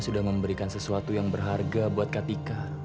sudah memberikan sesuatu yang berharga buat kak tika